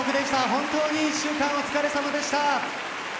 本当に１週間お疲れ様でした。